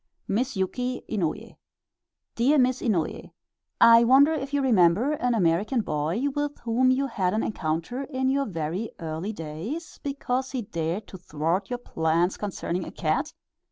Miss YUKI INOUYE Dear Miss Inouye: I wonder if you remember an American boy with whom you had an encounter in your very early days, because he dared to thwart your plans concerning a cat?